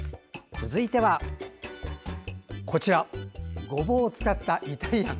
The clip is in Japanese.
続いてはごぼうを使ったイタリアン。